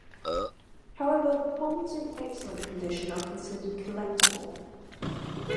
However, bonds in excellent condition are considered collectible.